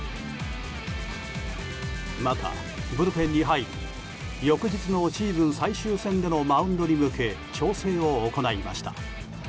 また、ブルペンに入り翌日のシーズン最終戦でのマウンドに向け調整を行いました。